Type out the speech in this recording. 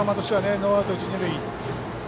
ノーアウト、一、二塁。